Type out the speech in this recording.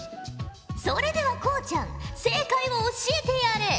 それではこうちゃん正解を教えてやれ。